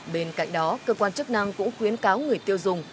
bên cạnh đó cơ quan chức năng cũng khuyến cáo người tiêu dùng